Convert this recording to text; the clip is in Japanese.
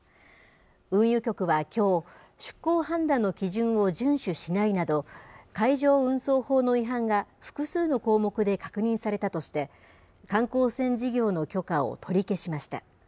運輸局はきょう、出航判断の基準を順守しないなど、海上運送法の違反が複数の項目で確認されたとして、観光船事業の許可を取り消しました。